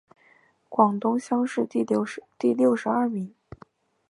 广东乡试第六十二名。